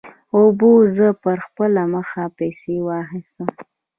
اوبو زه پر خپله مخه پسې واخیستم.